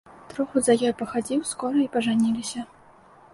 Троху за ёю пахадзіў, скора і пажаніліся.